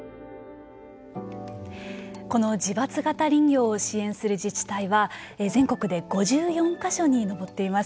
この自伐型林業を支援する自治体は全国で５４か所に上っています。